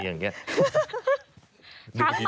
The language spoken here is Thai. อย่างนี้